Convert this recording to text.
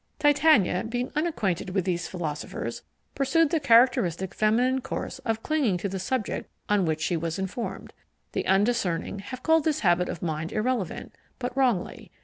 Titania, being unacquainted with these philosophers, pursued the characteristic feminine course of clinging to the subject on which she was informed. The undiscerning have called this habit of mind irrelevant, but wrongly.